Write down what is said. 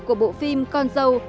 của bộ phim con dâu